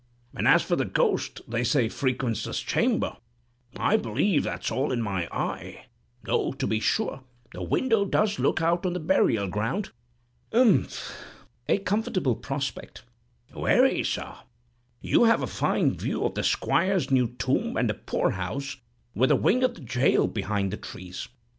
And as for the ghost they say frequents this chamber, I believe that's all in my eye, though, to be sure, the window does look out on the burial ground." "Umph! a comfortable prospect." "Very, sir; you have a fine view of the squire's new tomb and the poorhouse, with a wing of the jail behind the trees.